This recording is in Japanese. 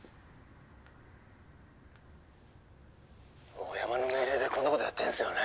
大山の命令でこんなことやってんすよね。